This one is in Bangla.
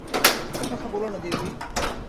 ও কথা বোলো না দিদি।